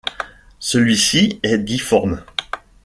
Celui-ci est difforme.